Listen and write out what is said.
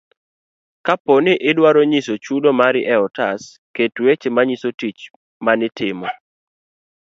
kapo ni idwaro nyiso chudo mari e otas, ket weche manyiso tich manitimo.